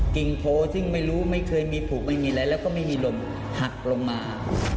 กิ่งโพซึ่งไม่รู้ไม่เคยมีผูกไม่มีอะไรแล้วก็ไม่มีลมหักลงมา